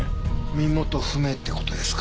身元不明って事ですか。